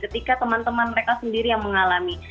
ketika teman teman mereka sendiri yang mengalami